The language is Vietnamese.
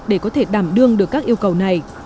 để có thể đảm đương được các yêu cầu này